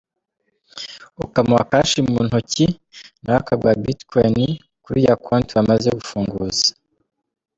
Ukamuha cash mu ntoki nawe akaguha bitcoins kuri ya konti wamaze gufunguza.